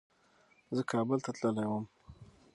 زه کابل ته تللی وم.